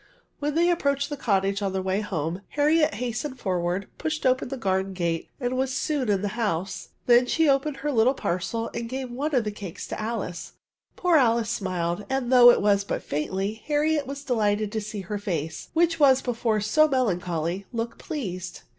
"' When they approached the cottage on their way home, Harriet hastened ferwurd, pushed open the garden gate, and was soon in the house. She then opened her little parcel and gave one €£ the cakes to Alice. Poor Alice smiled, and, though it was but ADVERBS* . 89 « fiiintlj^ Harriet was delighted to see her isLce, which was before so melancholy, look pleased.